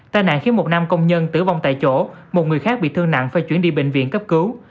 tai nạn khiến một nam công nhân tử vong tại chỗ một người khác bị thương nặng phải chuyển đi bệnh viện cấp cứu